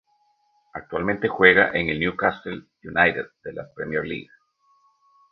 Actualmente juega en el Newcastle United de la Premier League.